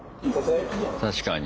確かに。